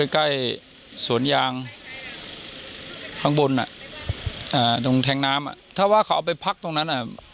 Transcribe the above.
ใกล้สวนยางข้างบนตรงแทงน้ำถ้าว่าเขาเอาไปพักตรงนั้น